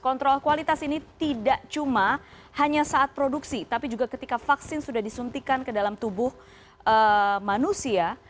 kontrol kualitas ini tidak cuma hanya saat produksi tapi juga ketika vaksin sudah disuntikan ke dalam tubuh manusia